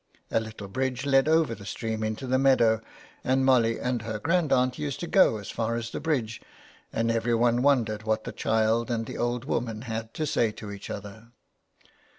A little bridge led over the stream into the meadow, and Molly and her grandaunt used to go as far as the bridge, and every one wondered what the child and the old woman had to say to each other.